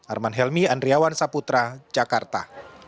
arman helmi andriawan saputra jakarta